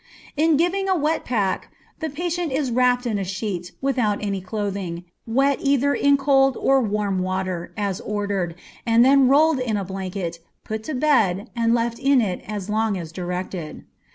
In giving a wet pack, the patient is wrapped in a sheet, without any clothing, wet either in cold or warm water, as ordered, and then rolled in a blanket, put to bed, and left in it as long as directed.